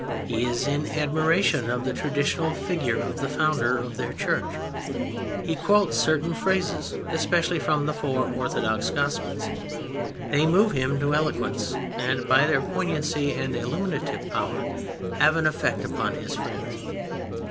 He is in admiration of the traditional figure of the Founder of their Church. He quotes certain phrases, especially from the four orthodox Gospels. They move him to eloquence, and their poignancy and illuminative power have an effect upon his friends.